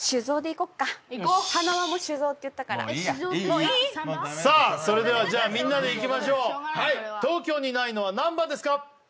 いこうはなわも酒蔵って言ったからもういいやいいいいさあそれではじゃあみんなでいきましょうはい東京にないのは何番ですか？